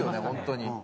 本当に。